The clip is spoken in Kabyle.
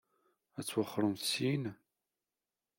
Ad twexxṛemt syin?